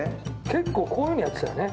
結構こういうふうにやってたよね？